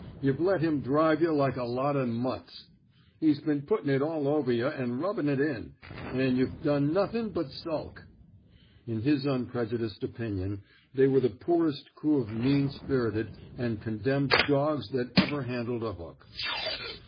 TuhVe let him drive yuh like a lot o' muts. He's been puttin' it all over yuh an' rubbin' it in — an' yuh've done nothin' but sulk." In his unprejudiced opinion, they were the poorest crew of meaA spirited and condemned dogs that ever handled a hook.